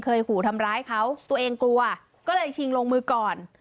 ขู่ทำร้ายเขาตัวเองกลัวก็เลยชิงลงมือก่อน